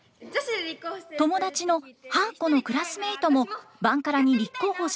友達のはーこのクラスメートもバンカラに立候補したいといいます。